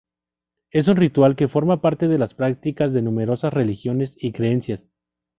Es un ritual que forma parte de las prácticas de numerosas religiones y creencias.